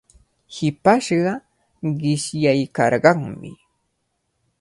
Hipashqa qishyaykarqanmi.